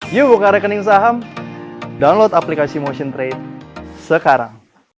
yuk buka rekening saham download aplikasi motion trade sekarang